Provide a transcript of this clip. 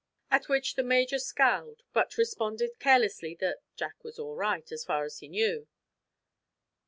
At which the major scowled, but responded carelessly that Jack was all right, as far as he knew.